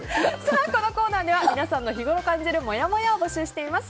このコーナーでは皆さんの日ごろ感じるもやもやを募集しています。